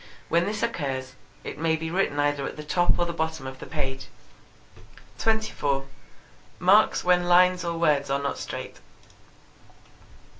When this occurs, it may be written either at the top or the bottom of the page. 24. Marks when lines or words are not straight.